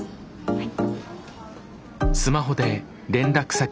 はい。